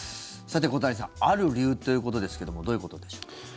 さて、小谷さんある理由ということですけどもどういうことでしょうか？